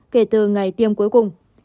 kể từ ngày tiêm cuối cùng